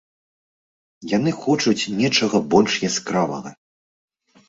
Яны хочуць нечага больш яскравага.